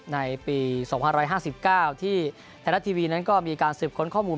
ในปี๒๕๕๙ที่ไทยรัฐทีวีนั้นก็มีการสืบค้นข้อมูล